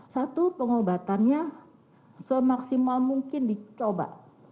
satu pengobatannya semaksimal mungkin dicoba